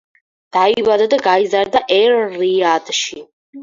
დაიბადა და გაიზარდა ერ-რიადში.